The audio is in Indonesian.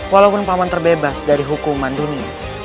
walaupun paman terbebas dari hukuman dunia